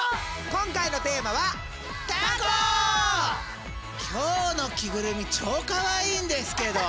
今回のテーマは今日の着ぐるみ超かわいいんですけど！